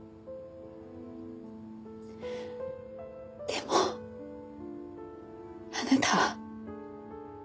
でもあなたは。